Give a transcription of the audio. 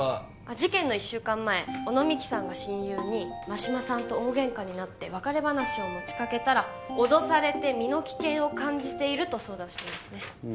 事件の１週間前小野美希さんが親友に真島さんと大ゲンカになって別れ話を持ちかけたら脅されて身の危険を感じていると相談していますね